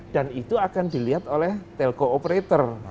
dan itu akan dilihat oleh telco operator